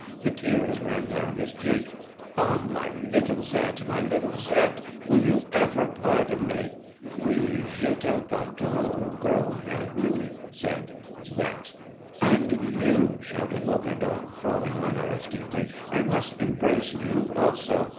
The tears ran down his cheeks. "Ah, my little Zette, my little Zette, will you ever pardon me?" "Oui, je te pardonne, gros jaloux," said Zette. "And you!" shouted Bocardon, falling on Aristide; "I must embrace you also."